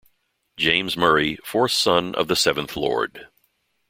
James Murray, fourth son of the seventh Lord.